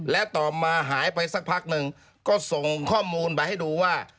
และต่อมาหายไปสักพักหนึ่งก็ส่งข้อมูลไปให้ดูว่า